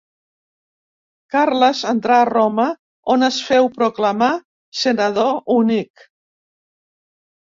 Carles entrà a Roma on es féu proclamar senador únic.